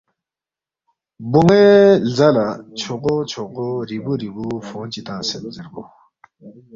بونوے لزا لا چھوغو چھوغو ریبو ریبو فونگ چی تنگسید زیربو۔